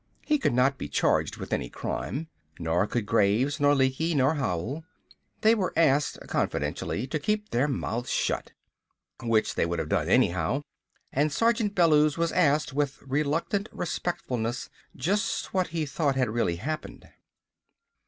He could not be charged with any crime. Nor could Graves nor Lecky nor Howell. They were asked, confidentially, to keep their mouths shut. Which they would have done anyhow. And Sergeant Bellews was asked with reluctant respectfulness, just what he thought had really happened.